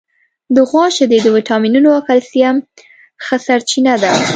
د غوا شیدې د وټامینونو او کلسیم ښه سرچینه ده.